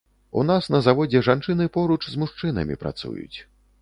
У нас на заводзе жанчыны поруч з мужчынамі працуюць.